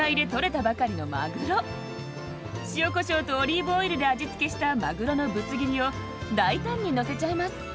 塩コショウとオリーブオイルで味付けしたマグロのぶつ切りを大胆にのせちゃいます。